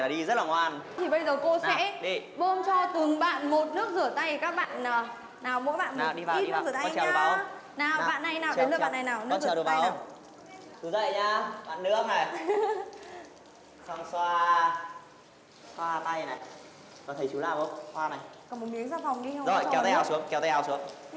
mở chắc cho cháu